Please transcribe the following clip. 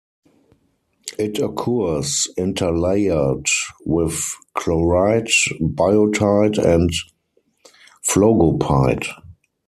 It occurs interlayered with chlorite, biotite and phlogopite.